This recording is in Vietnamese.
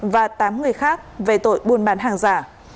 và tám người khác về tội buôn bán hàng giả